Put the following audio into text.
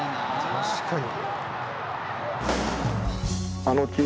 確かに。